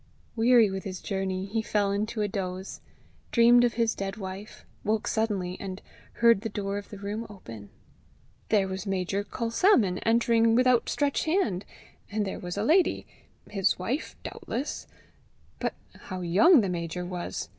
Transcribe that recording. Weary with his journey he fell into a doze, dreamed of his dead wife, woke suddenly, and heard the door of the room open. There was Major Culsalmon entering with outstretched hand! and there was a lady his wife doubtless! But how young the major was!